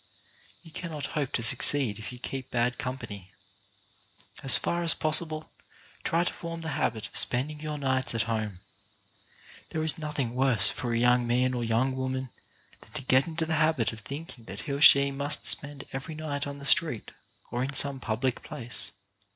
You cannot hope to succeed if you keep bad company. As far as possible try to form the habit of spend ing your nights at home. There is nothing worse 32 CHARACTER BUILDING for a young man or young woman than to get into the habit of thinking that he or she must spend every night on the street or in some public place.